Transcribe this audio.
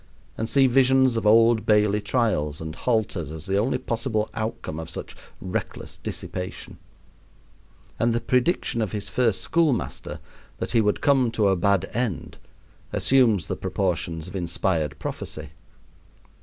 and see visions of Old Bailey trials and halters as the only possible outcome of such reckless dissipation; and the prediction of his first school master, that he would come to a bad end, assumes the proportions of inspired prophecy.